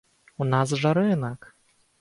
У нас жа рынак!